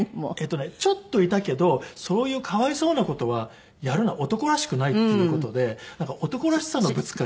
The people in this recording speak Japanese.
ちょっといたけどそういうかわいそうな事はやるな男らしくないっていう事でなんか男らしさのぶつかり？